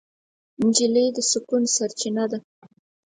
نجلۍ د سکون سرچینه ده.